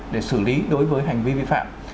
để xử lý đối với hành vi vi phạm